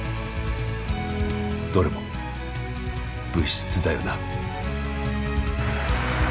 どれも「物質」だよな。